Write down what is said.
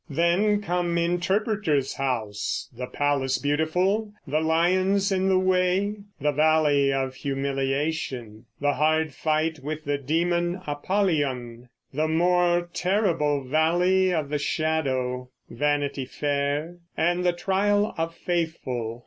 Then come Interpreter's house, the Palace Beautiful, the Lions in the way, the Valley of Humiliation, the hard fight with the demon Apollyon, the more terrible Valley of the Shadow, Vanity Fair, and the trial of Faithful.